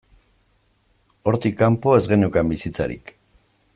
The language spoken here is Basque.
Hortik kanpo, ez geneukan bizitzarik.